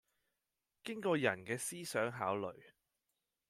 經過人嘅思想考慮